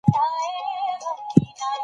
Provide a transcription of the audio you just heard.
د خلکو زغم محدود دی